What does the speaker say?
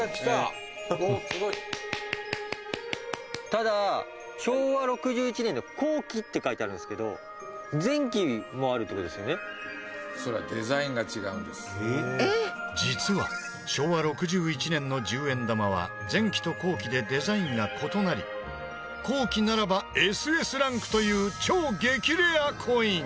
「ただ“昭和６１年の後期”って書いてあるんですけど」実は昭和６１年の１０円玉は前期と後期でデザインが異なり後期ならばＳＳランクという超激レアコイン！